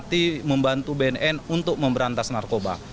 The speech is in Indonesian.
kami tetap terbuka membantu bnn untuk memberantas narkoba